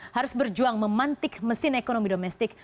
harus berjuang memantik mesin ekonomi domestik